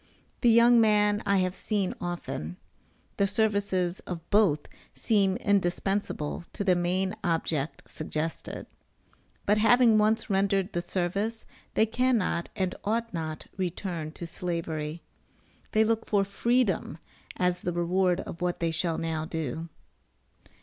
The young man I have seen often the services of both seem indispensable to the main object suggested; but having once rendered the service, they cannot, and ought not return to Slavery. They look for freedom as the reward of what they shall now do.